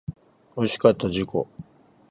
おいしかった自己